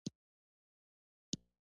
د کرکر د سکرو کان په بغلان کې دی